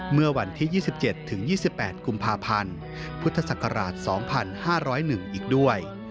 เมื่อวันที่๒๗ถึง๒๘กุมภาพันธ์พุทธศักราช๒๕๐๑อีกด้วย